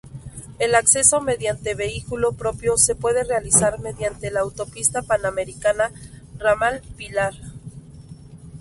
El acceso mediante vehículo propio se puede realizar mediante la Autopista Panamericana, ramal Pilar.